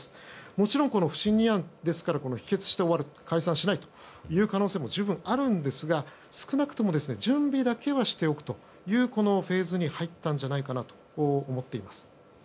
もちろん、不信任案ですから否決して終わる解散しないという可能性も十分、あるんですが少なくとも準備だけはしておくというフェーズに入ったんじゃないかなと思っています。